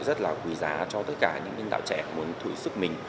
rất là quý giá cho tất cả những biên đạo trẻ muốn thủy sức mình